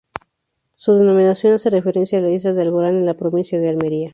Su denominación hace referencia a la isla de Alborán, en la provincia de Almería.